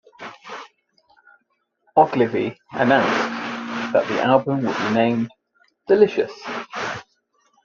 Ogilvie announced that the album would be named "Delicious".